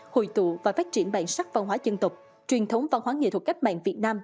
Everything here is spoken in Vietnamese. hồi tụ và phát triển bản sắc văn hóa dân tộc truyền thống văn hóa nghệ thuật cách mạng việt nam